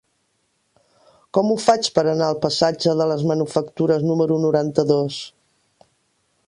Com ho faig per anar al passatge de les Manufactures número noranta-dos?